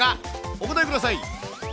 お答えください。